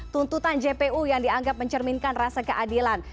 tuntutan jpu yang dianggap mencerminkan rasa keadilan